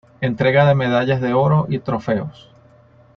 Entrega de medallas de oro y trofeos.